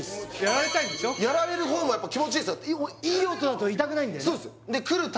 やられる方も気持ちいいっすいい音だと痛くないんだよね